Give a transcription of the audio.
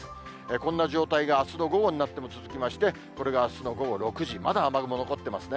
こんな状態があすの午後になっても続きまして、これがあすの午後６時、まだ雨雲残ってますね。